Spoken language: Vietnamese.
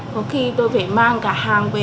có khi tôi phải mang cả hàng về làm